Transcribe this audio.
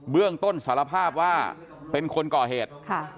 เรื่องต้นสารภาพว่าเป็นคนก่อเหตุ